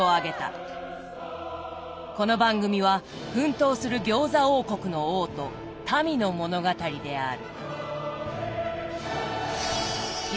この番組は奮闘する餃子王国の王と民の物語である。